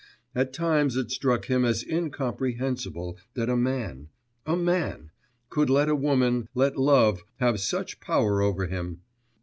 At times it struck him as incomprehensible that a man a man! could let a woman, let love, have such power over him